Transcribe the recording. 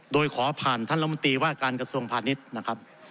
โดยขอผ่านท่านรัฐมนตรีว่าการกระทรวงพาณิชย์นะครับ